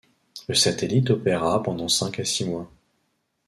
Le satellite opéra pendant cinq à six mois.